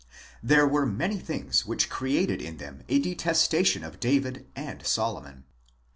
There were many things which created in them a detestation of David (and Solomon).